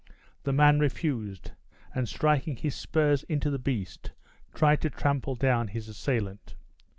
The man refused, and, striking his spurs into his beast, tried to trample down his assailant.